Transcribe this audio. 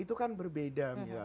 itu kan berbeda mila